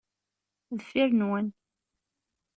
Deffir-nwen.